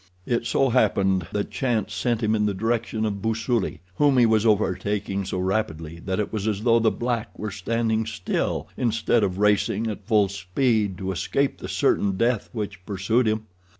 It so happened that chance sent him in the direction of Busuli, whom he was overtaking so rapidly that it was as though the black were standing still instead of racing at full speed to escape the certain death which pursued him.